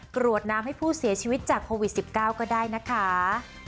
กรวดน้ำให้ผู้เสียชีวิตจากโควิด๑๙ก็ได้นะคะ